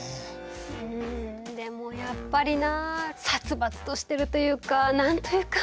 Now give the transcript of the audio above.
うんでもやっぱりなあ殺伐としてるというか何と言うか。